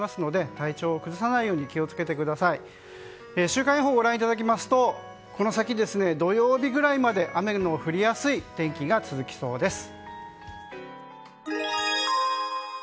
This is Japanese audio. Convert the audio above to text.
週間予報をご覧いただきますとこの先、土曜日ぐらいまで雨の降りやすい天気が続きそうです。